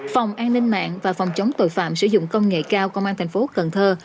phòng an ninh mạng và phòng chống tội phạm sử dụng công nghệ cao công an thành phố cần thơ